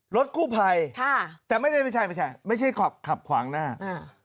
รถกู้ภัยค่ะแต่ไม่ได้ไม่ใช่ไม่ใช่ขับขับขวางหน้าอ่า